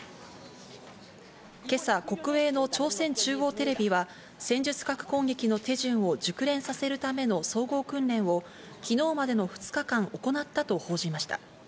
今朝、国営の朝鮮中央テレビは戦術核攻撃の手順を熟練させるための総合訓練を昨日までの２日間、行ったと報じました。